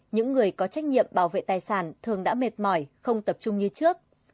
những người có trách nhiệm bảo vệ tài sản thường đã mệt mỏi không tập trung như trước